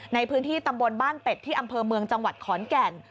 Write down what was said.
ในพื้นที่ตำบลบ้านเป็ดที่อำเภอเมืองจังหวัดขอนแก่น